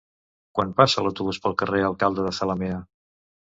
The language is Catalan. Quan passa l'autobús pel carrer Alcalde de Zalamea?